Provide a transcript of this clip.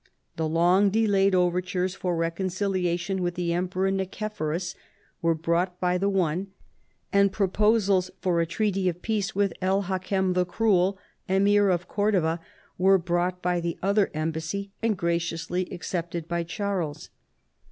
The long delayed overtures for reconciliation from the Em peror Nicephorus were brought by the one, and pro posals for a treaty of peace with El Hakem the Cruel, Emir of Cordova, were brought by the other embassy and graciously accepted by Charles.